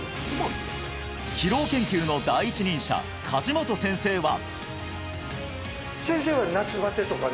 疲労研究の第一人者梶本先生は？